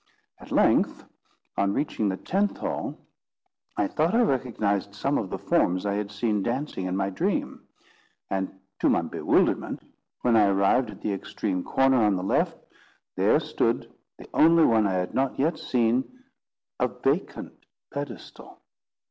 At length, on reaching the tenth hall, I thought I recognised some of the forms I had seen dancing in my dream; and to my bewilderment, when I arrived at the extreme corner on the left, there stood, the only one I had yet seen, a vacant pedestal.